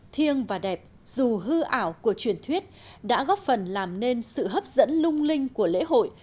thiêng và đẹp dù hư ảo của truyền thuyết đã góp phần làm nên sự hấp dẫn lung linh của lễ hội